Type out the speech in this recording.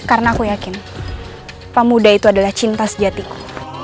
karena aku yakin pemuda itu adalah cinta sejatiku